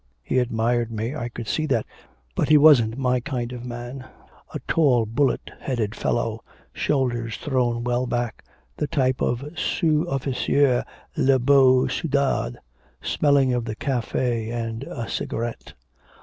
He admired me, I could see that, but he wasn't my kind of man: a tall, bullet headed fellow, shoulders thrown well back, the type of the sous officier, le beau soudard, smelling of the cafe and a cigarette.